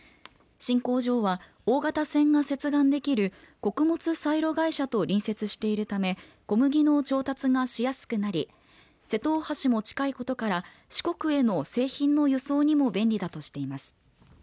新工場は大型船が接岸できる穀物サイロ会社と隣接しているため小麦の調達がしやすくなり瀬戸大橋も近いことから四国への製品の輸送にも便利だとしています。